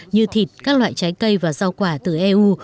như thịt các loại trái cây và rau quả từ eu